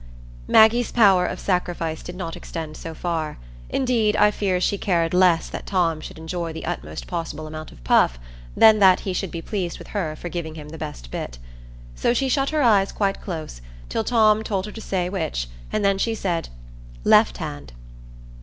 Maggie's power of sacrifice did not extend so far; indeed, I fear she cared less that Tom should enjoy the utmost possible amount of puff, than that he should be pleased with her for giving him the best bit. So she shut her eyes quite close, till Tom told her to "say which," and then she said, "Left hand."